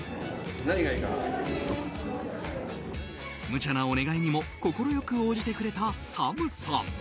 無茶なお願いにも快く応じてくれたＳＡＭさん。